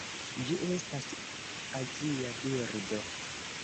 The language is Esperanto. Ĝi estas azia birdo.